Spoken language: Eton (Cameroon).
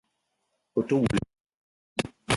Ou te woul ya?